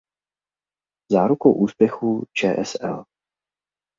Zárukou úspěchu čsl.